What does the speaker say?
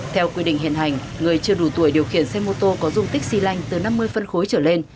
theo quy định hiện hành người chưa đủ tuổi điều khiển xe mô tô có dung tích xy lanh từ năm mươi phân khối trở lên